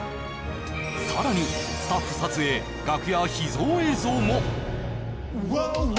さらにスタッフ撮影、楽屋秘蔵映像も。